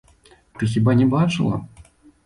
Ты хіба не бачыла?